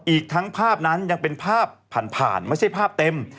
อีกทั้งภาพนั้นยังเป็นภาพผ่านไม่ใช่ภาพเต็ม